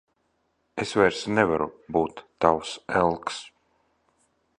Es vairs nevaru būt tavs elks.